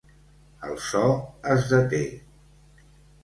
El so es deté.